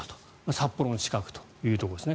札幌の近くというところですね。